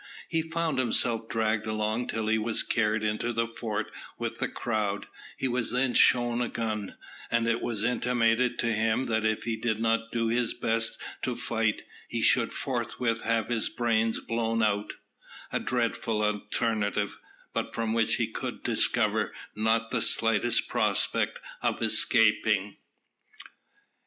He found himself dragged along till he was carried into the fort with the crowd; he was then shown a gun, and it was intimated to him that if he did not do his best to fight, he should forthwith have his brains blown out a dreadful alternative, but from which he could discover not the slightest prospect of escaping.